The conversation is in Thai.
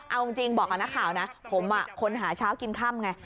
เอาจริงบอกกับนักข่าวนะผมคนหาเช้ากินค่ำไง